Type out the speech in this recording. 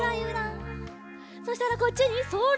そしたらこっちにそれ。